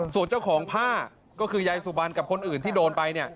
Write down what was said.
ส่วนเจ้าของผ้าก็คือยายสุบันกับคนอื่นที่โดนไป